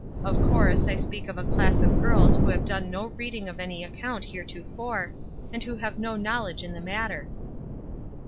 Of course, I speak of a class of girls who have done no reading of any account heretofore, and who have no knowledge in the matter."